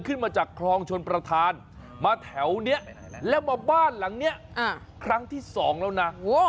ขึ้นมาจากคลองชนประธานมาแถวนี้แล้วมาบ้านหลังนี้ครั้งที่สองแล้วนะ